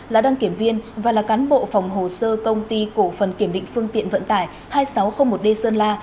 là đăng kiểm viên và là cán bộ phòng hồ sơ công ty cổ phần kiểm định phương tiện vận tải hai nghìn sáu trăm linh một d sơn la